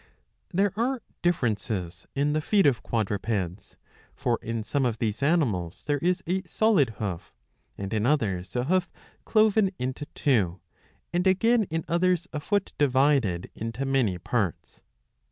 *^ There are differences in the feet of quadrupeds. For in sorne of these animals there is a solid hoof, and in others a hoof cloven into two, and again in others a foot divided into many parts.